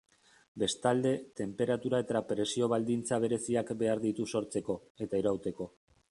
Bestalde, tenperatura- eta presio-baldintza bereziak behar ditu sortzeko, eta irauteko.